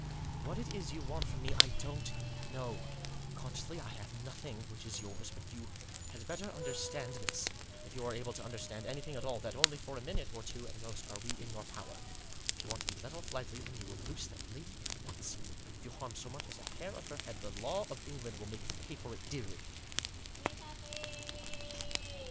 " What it is you want from me I don't know ; consciously I have nothing which is yours. But you had better understand this, if you are able to under stand anything at all, that only for a minute or two at most are we in your power. If you want to be let off lightly you will loose that lady at once ; if you harm so much as a hair of her head the law of England will make you pay for it dearly."